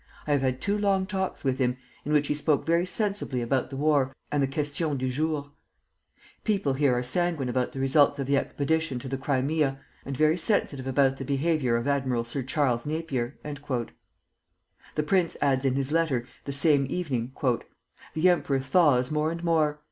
I have had two long talks with him, in which he spoke very sensibly about the war and the questions du jour. People here are sanguine about the results of the expedition to the Crimea, and very sensitive about the behavior of Admiral Sir Charles Napier." The prince adds in his letter, the same evening: "The emperor thaws more and more.